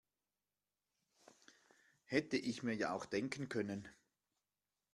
Hätte ich mir ja auch denken können.